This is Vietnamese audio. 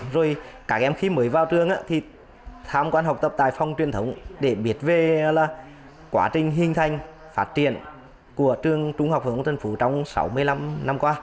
rồi các em khi mới vào trường thì tham quan học tập tại phòng truyền thống để biết về là quá trình hình thành phát triển của trường trung học phổ thông tân phú trong sáu mươi năm năm qua